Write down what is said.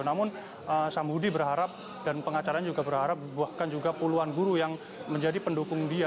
namun samhudi berharap dan pengacaranya juga berharap bahkan juga puluhan guru yang menjadi pendukung dia